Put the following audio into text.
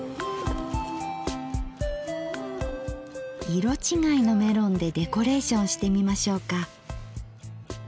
色違いのメロンでデコレーションしてみましょうか。